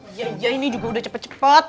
iya aja ini juga udah cepet cepet